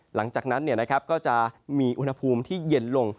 หลังจากนั้นก็จะมีอุณหภูมิที่เย็นลง